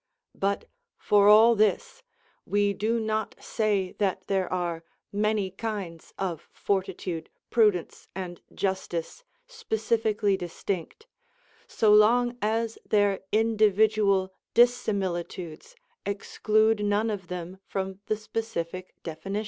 But, for all this, we do not say that there are many kinds of fortitude, prudence, and justice specifically distinct, so long as their individual dissimilitudes exclude none of them from the specific definitions.